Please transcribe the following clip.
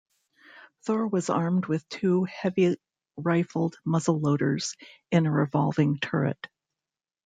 "Thor" was armed with two heavy rifled muzzleloaders in a revolving turret.